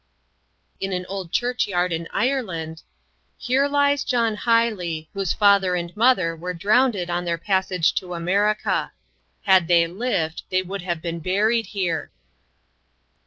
In an old church yard in Ireland: "Here lies John Highley whose father and mother were drownded on their passage to America. Had they lived they would have been buried here."